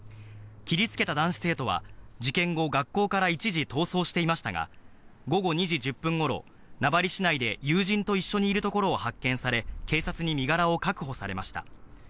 切りつけた男子生徒は、事件後、学校から一時、逃走していましたが、午後２時１０分ごろ、名張市内で友人と一緒にいるところを発見され、警察に身柄を確保されました。